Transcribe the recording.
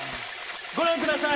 ごらんください。